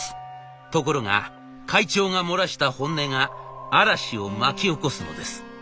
ところが会長が漏らした本音が嵐を巻き起こすのです。